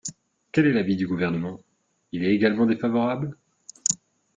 Quel est l’avis du Gouvernement ? Il est également défavorable.